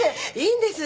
いいんです。